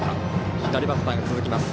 左バッターが続きます。